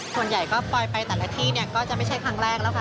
ส่วนใหญ่ก็ปลอยไปแต่ละที่เนี่ยก็จะไม่ใช่ครั้งแรกแล้วค่ะ